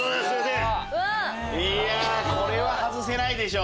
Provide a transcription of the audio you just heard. これは外せないでしょ。